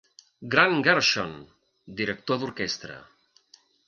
Grant Gershon, director d'orquestra.